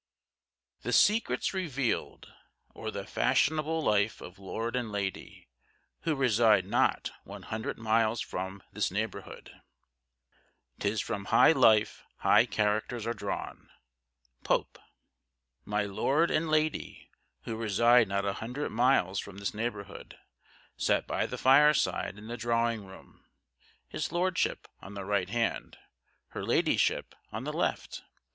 THE SECRETS REVEALED, OR THE FASHIONABLE LIFE OF LORD & LADY WHO RESIDE NOT ONE HUNDRED MILES FROM THIS NEIGHBOURHOOD. "'Tis from high life high characters are drawn." Pope. My Lord and Lady, who reside not a hundred miles from this neighbourhood, sat by the fireside in the drawing room; his Lordship on the right hand her Ladyship on the left.